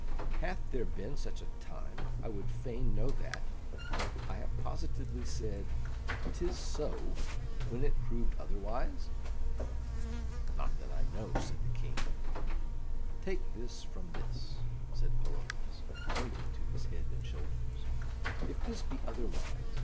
"Hath there been such a time, I would fain know that, that I have positively said ''Tis so' when it proved otherwise?" "Not that I know," said the King. "Take this from this," said Polonius, pointing to his head and shoulders, "if this be otherwise.